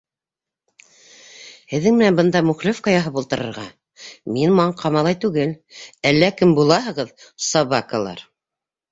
Һеҙҙең менән бында мухлевка яһап ултырырға мин маңҡа малай түгел, әллә кем булаһығыҙ, собакалар.